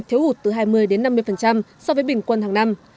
thiếu hụt từ hai mươi năm mươi so với bình quân hàng năm